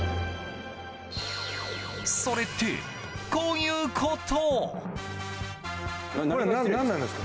それって、こういうこと。